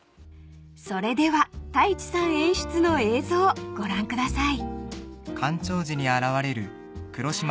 ［それでは太一さん演出の映像ご覧ください］